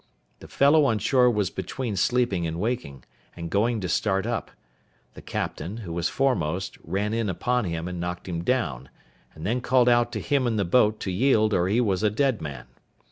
The fellow on shore was between sleeping and waking, and going to start up; the captain, who was foremost, ran in upon him, and knocked him down; and then called out to him in the boat to yield, or he was a dead man.